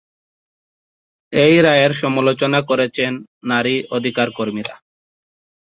এই রায়ের সমালোচনা করেছেন নারী অধিকার কর্মীরা।